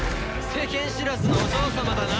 世間知らずのお嬢様だな！